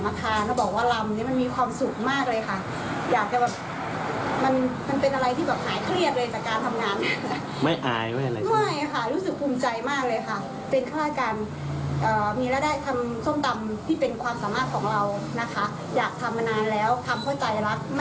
มาทานแล้วบอกว่าลำนี้มันมีความสุขมากเลยค่ะ